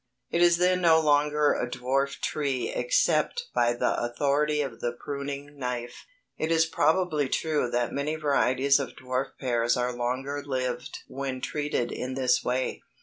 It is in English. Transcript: It is then no longer a dwarf tree except by the authority of the pruning knife. It is probably true that many varieties of dwarf pears are longer lived when treated in this way.